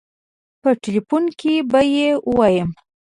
په ټيليفون کې به يې ووايم.